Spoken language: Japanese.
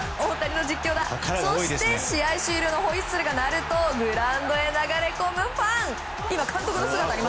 そして、試合終了のホイッスルが鳴るとグラウンドへ流れ込むファン。